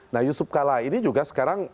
nah yusuf kala ini juga sekarang